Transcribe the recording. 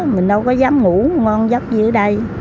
mình đâu có dám ngủ ngon giấc như ở đây